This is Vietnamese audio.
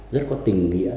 rất có tình nghĩa